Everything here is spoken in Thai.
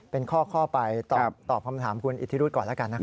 เป็นข้อไปตอบคำถามคุณอิทธิรุธก่อนแล้วกันนะครับ